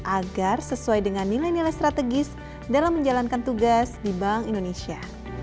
agar sesuai dengan nilai nilai strategis dalam menjalankan tugas di bank indonesia